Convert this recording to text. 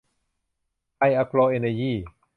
ไทย อะโกร เอ็นเนอร์ยี่